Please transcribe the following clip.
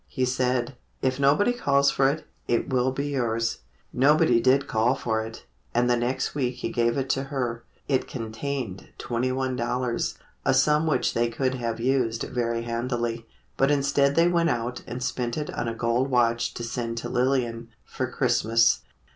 He said: "If nobody calls for it, it will be yours." Nobody did call for it, and the next week he gave it to her. It contained $21.00, a sum which they could have used very handily, but instead they went out and spent it on a gold watch to send to Lillian, for Christmas.